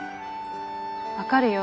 分かるよ。